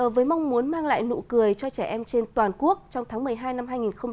với mong muốn mang lại nụ cười cho trẻ em trên toàn quốc trong tháng một mươi hai năm hai nghìn hai mươi